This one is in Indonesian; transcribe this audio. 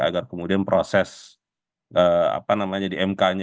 agar kemudian proses di mk nya